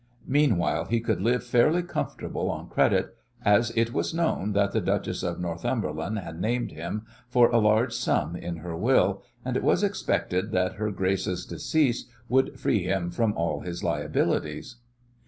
Meanwhile he could live fairly comfortable on credit as it was known that the Duchess of Northumberland had named him for a large sum in her will, and it was expected that her Grace's decease would free him from all his liabilities.